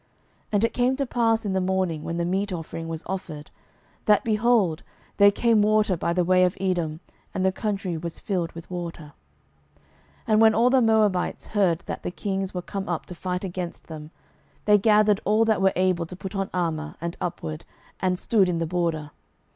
12:003:020 And it came to pass in the morning, when the meat offering was offered, that, behold, there came water by the way of Edom, and the country was filled with water. 12:003:021 And when all the Moabites heard that the kings were come up to fight against them, they gathered all that were able to put on armour, and upward, and stood in the border.